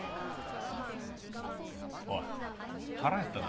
おい腹減ったな。